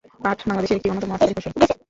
পাট বাংলাদেশের একটি অন্যতম অর্থকরী ফসল।